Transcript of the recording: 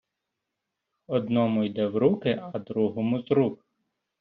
Одному йде в руки, а другому — з рук.